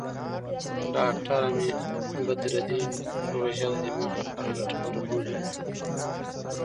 ډاکټره مي بدرالدین روژه د دماغ لپاره ګټوره بولي.